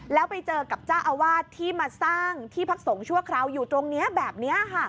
แล้วไปเจอกับเจ้าอาวาสที่มาสร้างที่พักสงฆ์ชั่วคราวอยู่ตรงนี้แบบนี้ค่ะ